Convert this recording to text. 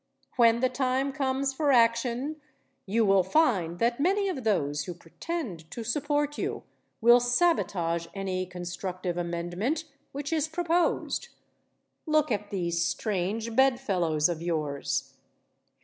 When the time comes for action, you will find that many of those who pretend to support you will sabotage any constructive amendment which is proposed. Look at these strange bed fellows of yours.